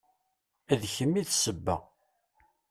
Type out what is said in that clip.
D kem i d sseba.